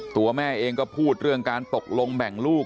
ตัวแม่เองก็พูดเรื่องการตกลงแบ่งลูก